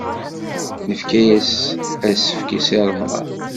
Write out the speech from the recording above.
Nefka-as asefk i Si Remḍan.